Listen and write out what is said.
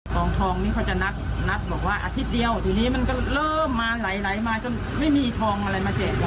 ทองทองนี้เขาจะนัดบอกว่าอาทิตย์เดียวทีนี้มันก็เริ่มมาไหลมาจนไม่มีทองอะไรมาแจก